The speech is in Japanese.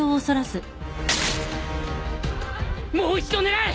もう一度狙え！